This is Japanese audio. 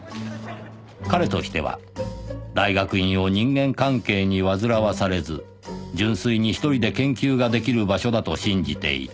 “彼”としては大学院を人間関係に煩わされず純粋に１人で研究が出来る場所だと信じていた